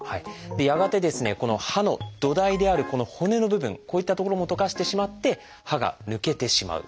やがてこの歯の土台であるこの骨の部分こういった所も溶かしてしまって歯が抜けてしまう。